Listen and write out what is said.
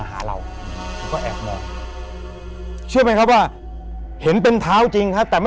หรือยังไงต่อ